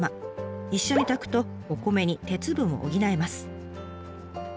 一緒に炊くとお米に鉄分を補えます。